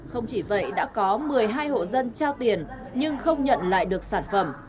không chỉ vậy đã có một mươi hai hộ dân trao tiền nhưng không nhận lại được sản phẩm